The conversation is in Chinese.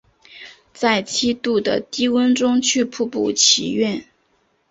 在七度的低温中去瀑布祈愿